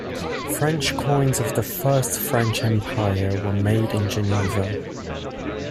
French coins of the First French Empire were made in Geneva.